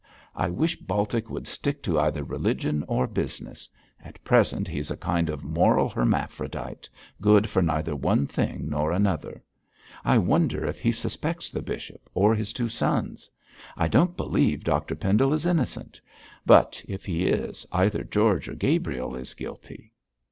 I wish Baltic would stick to either religion or business. At present he is a kind of moral hermaphrodite, good for neither one thing nor another. I wonder if he suspects the bishop or his two sons? I don't believe Dr Pendle is innocent; but if he is, either George or Gabriel is guilty.